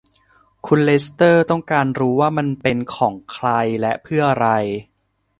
คุณเลสเตอร์ต้องการรู้ว่ามันเป็นของใครและเพื่ออะไร